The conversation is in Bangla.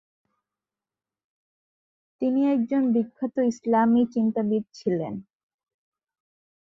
তিনি একজন বিখ্যাত ইসলামি চিন্তাবিদ ছিলেন।